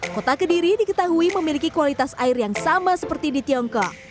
kota kediri diketahui memiliki kualitas air yang sama seperti di tiongkok